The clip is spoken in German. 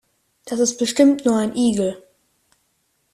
Das ist bestimmt nur ein Igel.